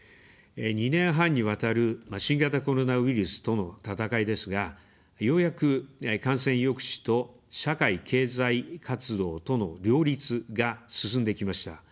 ２年半にわたる新型コロナウイルスとの闘いですが、ようやく感染抑止と、社会・経済活動との両立が進んできました。